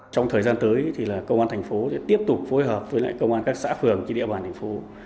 trong thời gian tới công an tp sẽ tiếp tục phối hợp với các xã phường trên địa bàn tp